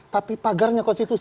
tapi pagarnya konstitusi